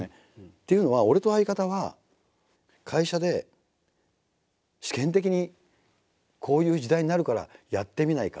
というのは俺と相方は会社で試験的に「こういう時代になるからやってみないか」